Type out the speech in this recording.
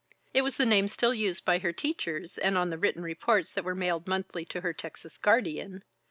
It was the name still used by her teachers, and on the written reports that were mailed monthly to her Texas guardian.